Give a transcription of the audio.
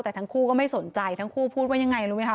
แต่ทั้งคู่ก็ไม่สนใจทั้งคู่พูดว่ายังไงรู้ไหมค